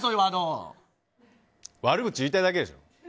悪口言いたいだけでしょ。